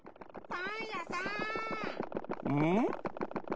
うん？